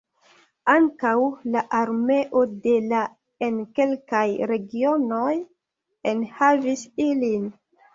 Ankaŭ la armeo de la en kelkaj regionoj enhavis ilin.